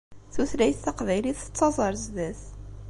Tutlayt taqbaylit tettaẓ ar zdat.